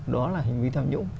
đó là hành vi tham nhũng